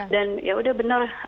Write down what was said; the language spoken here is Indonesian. dan ya udah benar